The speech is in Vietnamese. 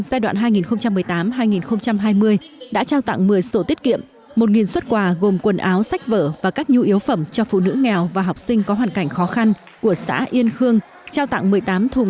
giai đoạn hai nghìn một mươi tám hai nghìn hai mươi đã trao tặng một mươi sổ tiết kiệm một xuất quà gồm quần áo sách vở và các nhu yếu phẩm